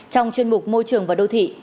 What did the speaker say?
trong chuyên mục môi trường và đô thị